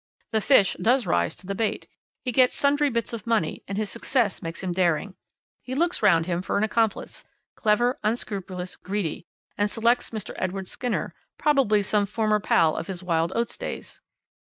The fish does rise to the bait. He gets sundry bits of money, and his success makes him daring. He looks round him for an accomplice clever, unscrupulous, greedy and selects Mr. Edward Skinner, probably some former pal of his wild oats days.